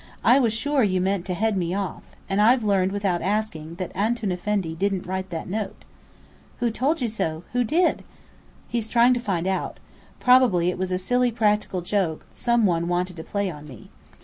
"I was sure you meant to head me off. And I've learned without asking, that Antoun Effendi didn't write that note." "I told you so! Who did?" "He's trying to find out. Probably it was a silly practical joke some one wanted to play on me.